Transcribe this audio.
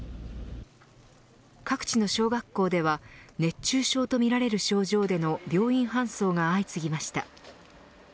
各地の小学校では熱中症とみられる症状での病院搬送が相次ぎました。